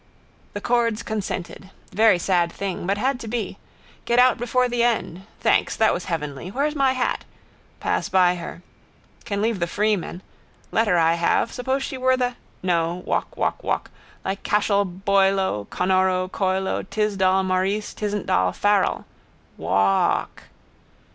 The chords consented. Very sad thing. But had to be. Get out before the end. Thanks, that was heavenly. Where's my hat. Pass by her. Can leave that Freeman. Letter I have. Suppose she were the? No. Walk, walk, walk. Like Cashel Boylo Connoro Coylo Tisdall Maurice Tisntdall Farrell. Waaaaaaalk.